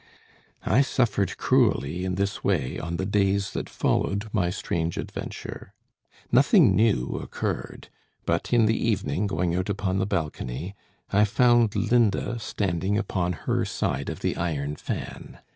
I suffered cruelly in this way on the days that followed my strange adventure. Nothing new occurred, but in the evening, going out upon the balcony, I found Linda standing upon her side of the iron fan.